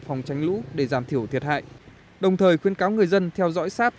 phòng tránh lũ để giảm thiểu thiệt hại đồng thời khuyên cáo người dân theo dõi sáp